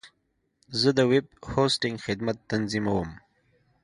زه د ویب هوسټنګ خدمت تنظیموم.